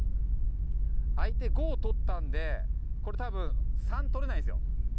相手５を取ったんでこれ多分３取れないんですよ。